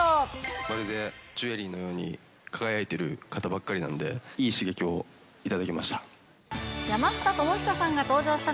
まるでジュエリーのように輝いている方ばっかりなので、いい刺激を頂きました。